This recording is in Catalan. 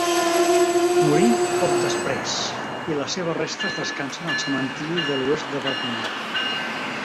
Morí poc després, i les seves restes descansen al cementiri de l'Oest de Perpinyà.